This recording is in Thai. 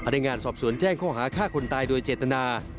ในงานสอบสวนแจ้งข้อหาฆ่าคนตายโดยเจตนา